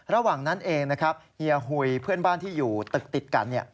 ระหว่างนั้นเองนะครับเฮียหุยเพื่อนบ้านที่อยู่ตึกติดกัน